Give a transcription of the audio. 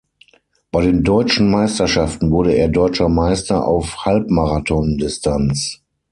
Bei den Deutschen Meisterschaften wurde er Deutscher Meister auf Halbmarathon-Distanz.